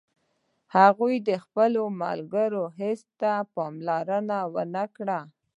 هغه د خپلو ملګرو حرص ته هم پام و نه کړ